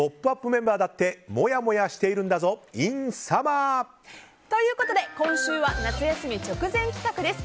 メンバーだってもやもやしているんだぞｉｎＳＵＭＭＥＲ！ということで今回は夏休み直前企画です。